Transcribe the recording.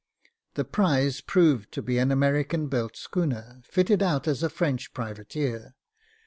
The prize proved to be an American built schooner, fitted out as a French privateer.